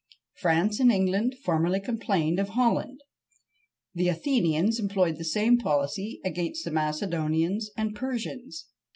France and England formerly complained of Holland the Athenians employed the same policy against the Macedonians and Persians.